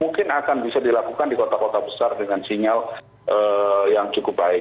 mungkin akan bisa dilakukan di kota kota besar dengan sinyal yang cukup baik